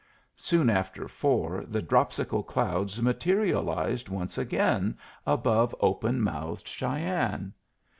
Soon after four the dropsical clouds materialized once again above open mouthed Cheyenne.